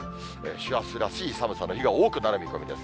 師走らしい寒さの日が多くなる見込みです。